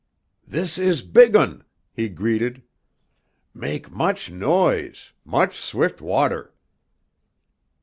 "This is big un!" he greeted. "Mak' much noise, much swift water!"